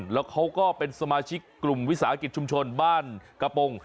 แล้วเขาก็เป็นสมาชิกกลุ่มวิสาหกิจชุมชนบ้านกระโปรง